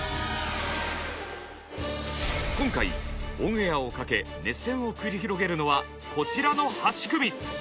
今回オンエアをかけ熱戦を繰り広げるのはこちらの８組！